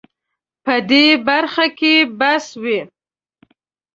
په دې برخه کې بس وي